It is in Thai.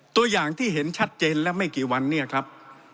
ตัวอย่างที่เห็นชัดเจนและไม่กี่วันเนี่ยครับ